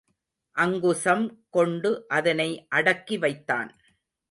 அங்குசம் கொண்டு அதனை அடக்கி வைத்தான்.